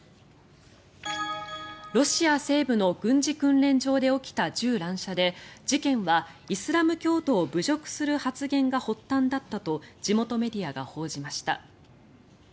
ロシア西部の軍事訓練場で起きた銃乱射で事件はイスラム教徒を侮辱する発言が発端だったと地元メディアが報じました。